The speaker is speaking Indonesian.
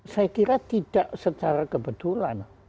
saya kira tidak secara kebetulan